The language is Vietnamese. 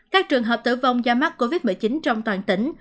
các trường hợp tử vong do mắc covid một mươi chín trong toàn tỉnh